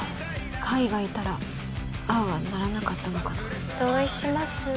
海がいたらああはならなかったのかな同意します